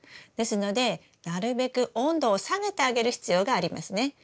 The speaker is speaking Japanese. ですのでなるべく温度を下げてあげる必要がありますね。